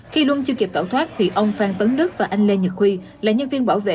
khi luôn chưa kịp tẩu thoát thì ông phan tấn đức và anh lê nhật huy là nhân viên bảo vệ